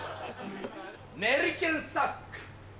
メリケンサック。